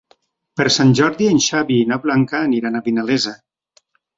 Per Sant Jordi en Xavi i na Blanca aniran a Vinalesa.